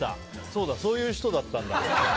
そうだ、そういう人だったんだ。